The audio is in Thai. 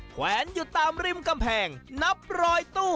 แวนอยู่ตามริมกำแพงนับร้อยตู้